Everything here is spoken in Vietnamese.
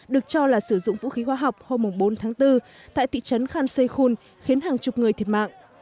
được cho là sử dụng vũ khí hóa học hôm bốn tháng bốn tại thị trấn khan seychun khiến hàng chục người thiệt mạng